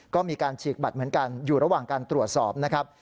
ก็มีการฉีกบัตรเหมือนกันอยู่ระหว่างการตรวจสอบนะครับ